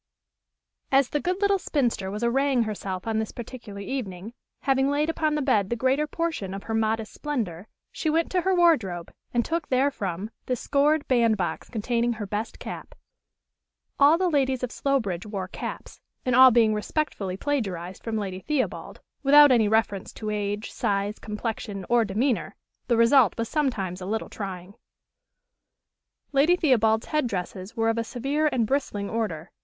As the good little spinster was arraying herself on this particular evening, having laid upon the bed the greater portion of her modest splendor, she went to her wardrobe, and took therefrom the scored bandbox containing her best cap. All the ladies of Slowbridge wore caps; and all being respectfully plagiarized from Lady Theobald, without any reference to age, size, complexion, or demeanor, the result was sometimes a little trying. Lady Theobald's head dresses were of a severe and bristling order.